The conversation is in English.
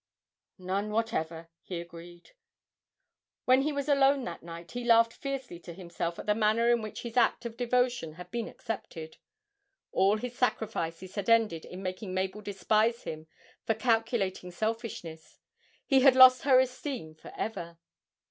'None whatever,' he agreed. When he was alone that night he laughed fiercely to himself at the manner in which his act of devotion had been accepted. All his sacrifices had ended in making Mabel despise him for calculating selfishness; he had lost her esteem for ever.